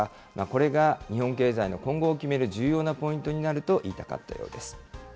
これが日本経済の今後を決める重要なポイントになると言いたかったようです。